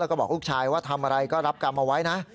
แล้วก็บอกลูกชายว่าทำอะไรก็รับกรรมเอาไว้นะ